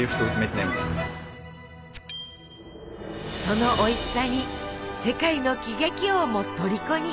そのおいしさに世界の喜劇王もとりこに。